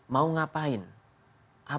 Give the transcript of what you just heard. mau ngapain apa yang dia mau lakukan